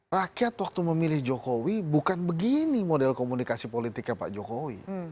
rakyat waktu memilih jokowi bukan begini model komunikasi politiknya pak jokowi